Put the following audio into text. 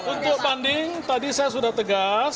untuk banding tadi saya sudah tegas